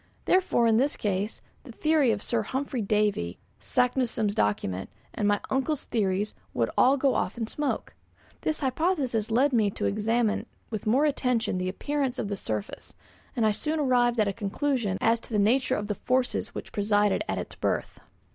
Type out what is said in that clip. Therefore, in this case, the theory of Sir Humphry Davy, Saknussemm's document, and my uncle's theories would all go off in smoke. This hypothesis led me to examine with more attention the appearance of the surface, and I soon arrived at a conclusion as to the nature of the forces which presided at its birth.